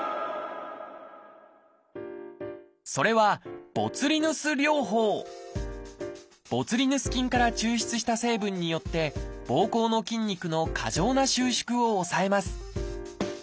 それはボツリヌス菌から抽出した成分によってぼうこうの筋肉の過剰な収縮を抑えます。